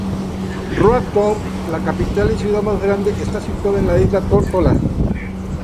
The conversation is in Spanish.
Road Town, la capital y ciudad más grande, está situada en la isla Tórtola.